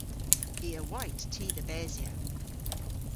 I a wayt ty dhe besya.